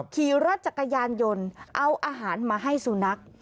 ขี่รถจักรยานยนต์เอาอาหารมาให้สุนัข